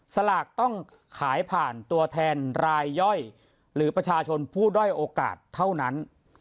สลากต้องขายผ่านตัวแทนรายย่อยหรือประชาชนผู้ด้อยโอกาสเท่านั้น